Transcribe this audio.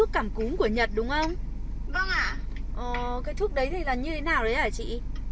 cái thuốc đấy là như thế nào đấy hả chị